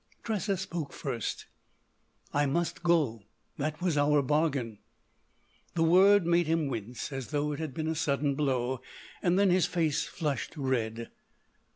Tressa spoke first: "I must go. That was our bargain." The word made him wince as though it had been a sudden blow. Then his face flushed red.